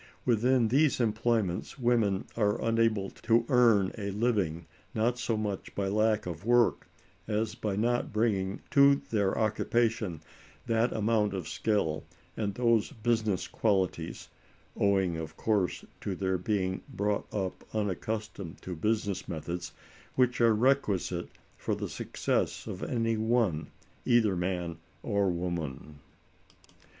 Within these employments women are unable to earn a living not so much by the lack of work, as by not bringing to their occupation that amount of skill and those business qualities (owing, of course, to their being brought up unaccustomed to business methods) which are requisite for the success of any one, either man or woman.